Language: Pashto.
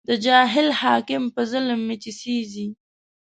د جاهل حاکم په ظلم مې چې سېزې